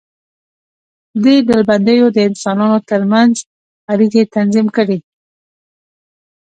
دې ډلبندیو د انسانانو تر منځ اړیکې تنظیم کړې.